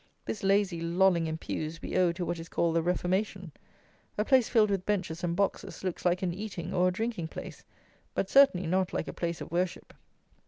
This lazy lolling in pews we owe to what is called the Reformation. A place filled with benches and boxes looks like an eating or a drinking place; but certainly not like a place of worship.